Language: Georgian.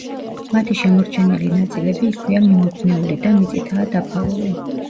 მათი შემორჩენილი ნაწილები იქვეა მიმობნეული და მიწითაა დაფარული.